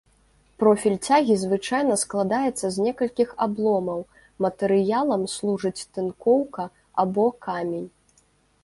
Профіль цягі звычайна складаецца з некалькіх абломаў, матэрыялам служыць тынкоўка або камень.